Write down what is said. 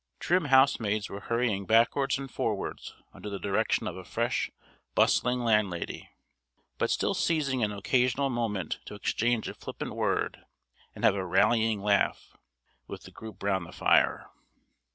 Trim housemaids were hurrying backwards and forwards under the directions of a fresh, bustling landlady; but still seizing an occasional moment to exchange a flippant word, and have a rallying laugh, with the group round the fire.